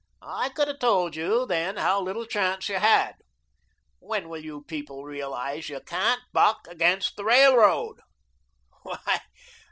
I could have told you then how little chance you had. When will you people realise that you can't buck against the Railroad?